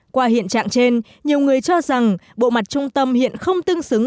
qua hiện trạng trên nhiều người cho rằng bộ mặt trung tâm hiện không tương xứng